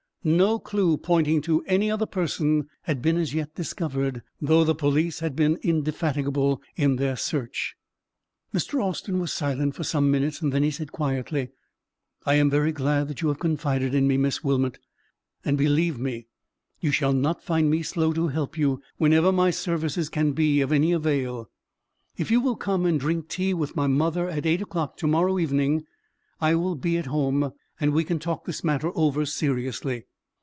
No clue pointing to any other person had been as yet discovered, though the police had been indefatigable in their search. Mr. Austin was silent for some minutes; then he said, quietly,— "I am very glad you have confided in me, Miss Wilmot, and, believe me, you shall not find me slow to help you whenever my services can be of any avail. If you will come and drink tea with my mother at eight o'clock to morrow evening, I will be at home; and we can talk this matter over seriously.